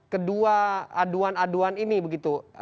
kedua aduan aduan ini begitu